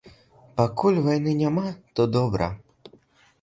Пакуль вайны няма, то добра.